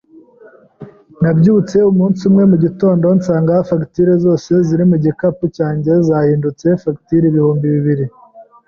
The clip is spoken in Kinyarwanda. Nabyutse umunsi umwe mugitondo nsanga fagitire zose ziri mu gikapu cyanjye zahindutse fagitire ibihumbi bibiri.